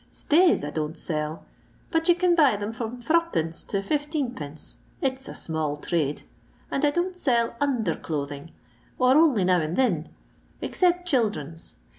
Sta^t I don't sell, but you can buy them from Sd. to 15d, ; it*s a small trade. And I don't sell Under Clothing, or only now and thin, except Children* s.